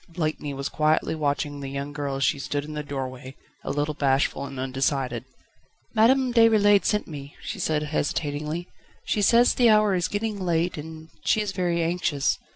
Blakeney was quietly watching the young girl as she stood in the doorway, a little bashful and undecided. "Madame Déroulède sent me," she said hesitatingly, "she says the hour is getting late and she is very anxious.